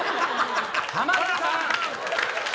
浜田さん。